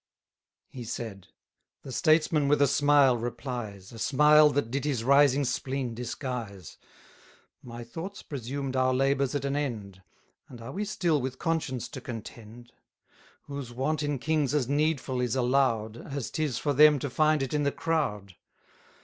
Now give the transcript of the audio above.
He said. The statesman with a smile replies, A smile that did his rising spleen disguise: My thoughts presumed our labours at an end; And are we still with conscience to contend? 160 Whose want in kings as needful is allow'd, As 'tis for them to find it in the crowd.